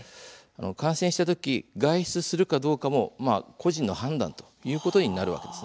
感染した時、外出するかどうかも「個人の判断」ということになるわけです。